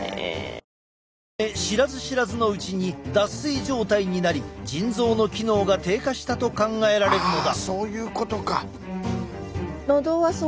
そのため知らず知らずのうちに脱水状態になり腎臓の機能が低下したと考えられるのだ。